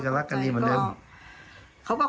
แต่ทะเลาะกันไม่บ่อย